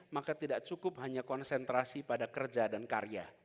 maka tidak cukup hanya konsentrasi pada kerja dan karya